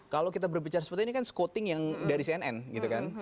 kalau kita berbicara seperti ini kan scouting yang dari cnn gitu kan